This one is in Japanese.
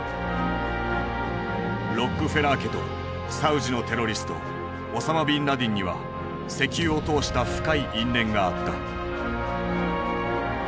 ロックフェラー家とサウジのテロリストオサマ・ビンラディンには石油を通した深い因縁があった。